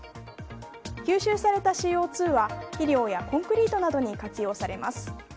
吸収されたＣＯ２は肥料やコンクリートなどに活用されます。